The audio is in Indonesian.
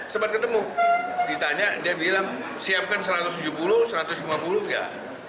sempat ketemu ditanya dia bilang siapkan satu ratus tujuh puluh satu ratus lima puluh nggak